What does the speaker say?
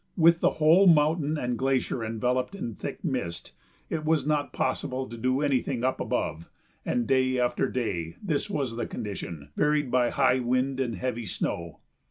With the whole mountain and glacier enveloped in thick mist it was not possible to do anything up above, and day after day this was the condition, varied by high wind and heavy snow.